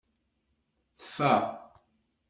Tfa.